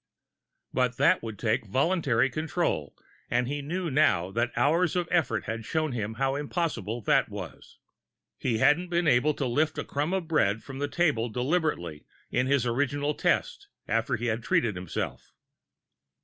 But that would take voluntary control, and he knew now that hours of effort had shown him how impossible that was. He hadn't been able to lift a crumb of bread from the table deliberately, in his original tests after he had treated himself.